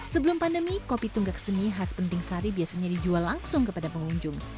sebelum pandemi kopi tunggak seni khas penting sari biasanya dijual langsung kepada pengunjung